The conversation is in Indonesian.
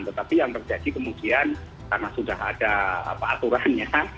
tetapi yang terjadi kemudian karena sudah ada aturannya